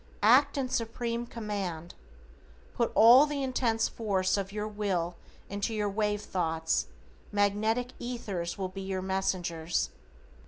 Act in Supreme command. Put all the intense force of your WILL into your wave thoughts, magnetic ethers will be your messengers.